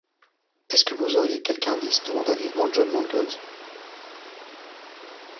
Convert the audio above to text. Est-ce que vous auriez quelque indice ? demanda vivement John Mangles.